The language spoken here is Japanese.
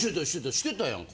してたやんか。